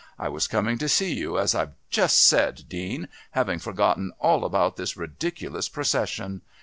I was coming to see you, as I've just said, Dean, having forgotten all about this ridiculous procession.